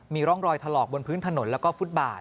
มีร่องรอยถลอกบนพื้นถนนแล้วก็ฟุตบาท